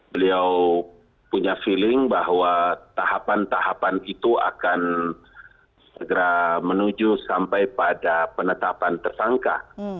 beliau punya feeling bahwa tahapan tahapan itu akan segera menuju sampai pada penetapan tersangka